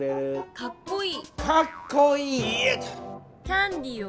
「かっこいい」！